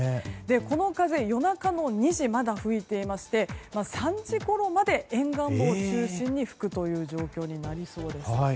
この風、夜中の２時でもまだ吹いていまして３時ごろまで沿岸部を中心に吹く状況になりそうです。